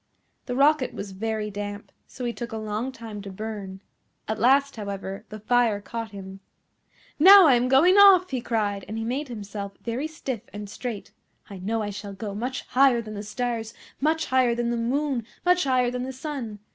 The Rocket was very damp, so he took a long time to burn. At last, however, the fire caught him. "Now I am going off!" he cried, and he made himself very stiff and straight. "I know I shall go much higher than the stars, much higher than the moon, much higher than the sun.